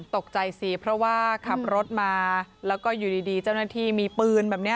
ตกใจสิเพราะว่าขับรถมาแล้วก็อยู่ดีเจ้าหน้าที่มีปืนแบบนี้